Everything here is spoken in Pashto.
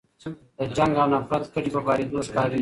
د جنګ او نفرت کډې په بارېدو ښکاري